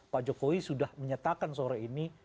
pak jokowi sudah menyatakan sore ini